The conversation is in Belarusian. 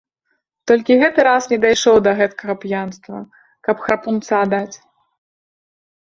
Толькі гэты раз не дайшоў да гэтакага п'янства, каб храпунца даць.